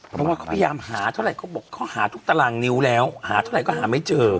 เพราะว่าเขาพยายามหาเท่าไหร่เขาบอกเขาหาทุกตารางนิ้วแล้วหาเท่าไหร่ก็หาไม่เจอ